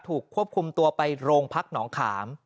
ถูกควบคุมตัวไปโรงพักหนองขาม